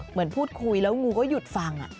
เหมือนพูดคุยแล้วงูก็หยุดฟัง